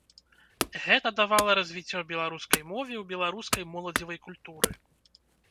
Гэта давала развіццё беларускай мове ў беларускай моладзевай культуры.